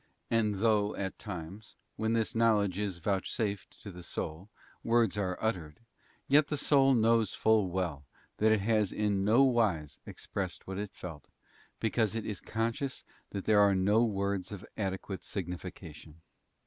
And though at times, when this knowledge is vouchsafed to the soul, words are uttered, yet the soul knows full well that it has in nowise expressed what it felt, because it is conscious that there are no words of adequate signification.